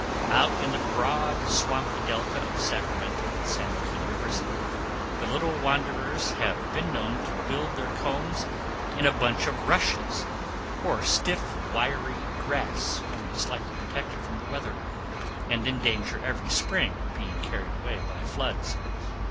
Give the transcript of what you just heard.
Out in the broad, swampy delta of the Sacramento and San Joaquin rivers, the little wanderers have been known to build their combs in a bunch of rushes, or stiff, wiry grass, only slightly protected from the weather, and in danger every spring of being carried away by floods.